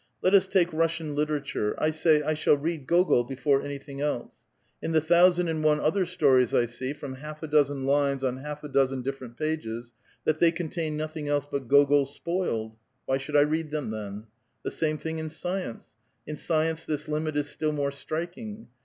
Let us take Russian belles lettres. I say : I siiall read Gogol before anything else. In the thousand and one other stories I see, from half a dozen lines on half a dozen ditferent pages, that they contain nothing else but Gogol spoiled; why should I read them, then? The same thing in science ; in science this limit is still more striking.